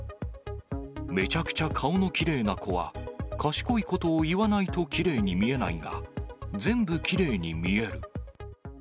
めちゃくちゃ顔のきれいな子は、賢いことを言わないときれいに見えないが、全部きれいに見える。